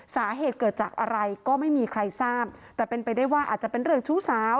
สาเหตุเกิดจากอะไรก็ไม่มีใครทราบแต่เป็นไปได้ว่าอาจจะเป็นเรื่องชู้สาว